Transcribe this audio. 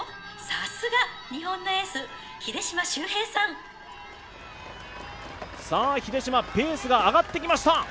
さすが日本のエース秀島修平さんさあ秀島ペースが上がってきました